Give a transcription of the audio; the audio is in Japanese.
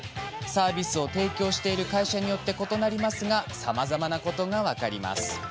サービスを提供している会社によって異なりますがさまざまなことが分かります。